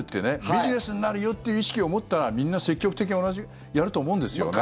ビジネスになるよっていう意識を持ったらみんな積極的にやると思うんですよね。